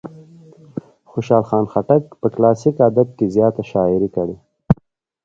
خوشال خان خټک په کلاسیک ادب کې زیاته شاعري کړې.